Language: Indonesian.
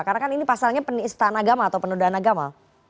karena kan ini pasalnya penistaan agama atau penundaan agama